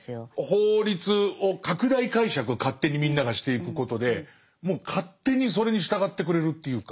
法律を拡大解釈を勝手にみんながしていくことでもう勝手にそれに従ってくれるっていうか。